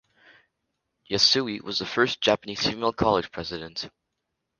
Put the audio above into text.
Yasui was the first Japanese female college president.